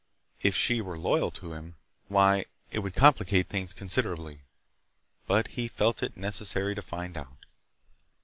If she were loyal to him—why it would complicate things considerably. But he felt it necessary to find out.